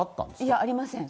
いや、ありません。